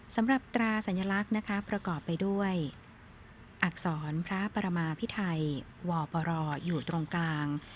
ตราสัญลักษณ์นะคะประกอบไปด้วยอักษรพระประมาพิไทยวปรอยู่ตรงกลาง